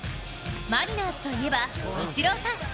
マリナーズといえばイチローさん。